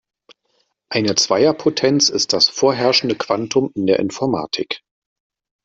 Eine Zweierpotenz ist das vorherrschende Quantum in der Informatik.